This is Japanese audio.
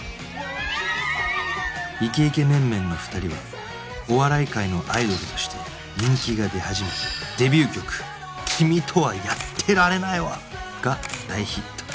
イケイケメンメンの２人はお笑い界のアイドルとして人気が出始めデビュー曲『君とはやってられないわ』が大ヒット